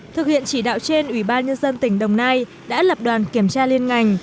thực hiện chỉ đạo trên ủy ban nhân dân tỉnh đồng nai đã lập đoàn kiểm tra liên ngành